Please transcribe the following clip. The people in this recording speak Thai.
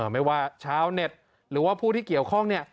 ไม่ว่าชาวเน็ตหรือผู้ที่เกี่ยวข้อง